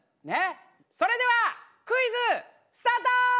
それではクイズスタート！